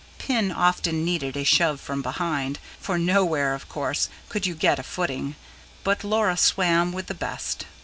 Pin often needed a shove from behind, for nowhere, of course, could you get a footing; but Laura swam with the best.